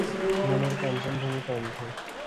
মনের পঞ্চম ভূমি কণ্ঠ।